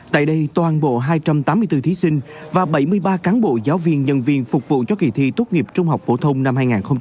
tại đây toàn bộ hai trăm tám mươi bốn thí sinh và bảy mươi ba cán bộ giáo viên nhân viên phục vụ cho kỳ thi tốt nghiệp trung học phổ thông năm hai nghìn hai mươi